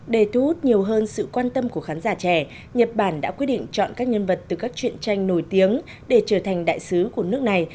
để thu hút nhiều hơn sự quan tâm của khán giả trẻ nhật bản đã quyết định chọn các nhân vật từ các chuyện tranh nổi tiếng để trở thành đại sứ của nước này